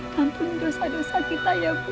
kampung dosa dosa kita ya bu